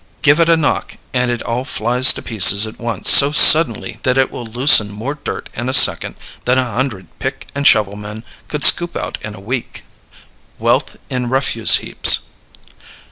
Give it a knock and it all flies to pieces at once so suddenly that it will loosen more dirt in a second than a hundred pick and shovel men could scoop out in a week. Wealth in Refuse Heaps.